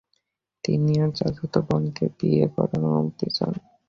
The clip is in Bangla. তিনি তার চাচাত বোনকে বিয়ে করার অনুমতি চান।